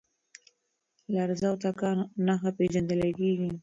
لرزه او تکان نښه پېژندل کېږي.